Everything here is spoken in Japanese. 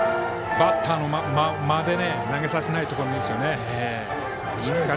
バッターの間で投げさせないということですね。